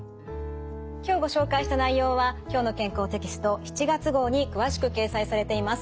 今日ご紹介した内容は「きょうの健康」テキスト７月号に詳しく掲載されています。